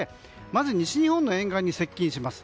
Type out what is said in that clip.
まず西日本の沿岸に接近します。